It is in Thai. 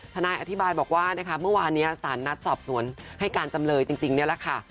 ทนายอธิบายบอกว่านะคะเมื่อวานนี้สารนัดสอบสวนให้การจำเลยจริงนี่แหละค่ะ